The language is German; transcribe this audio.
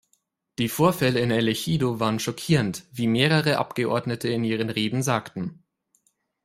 Die Vorfälle in El Ejido waren schockierend, wie mehrere Abgeordnete in ihren Reden sagten.